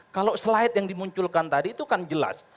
kalau slide yang dimunculkan tadi itu kan jelas